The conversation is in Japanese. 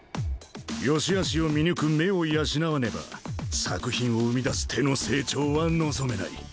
よしあしを見抜く目を養わねば作品を生み出す手の成長は望めない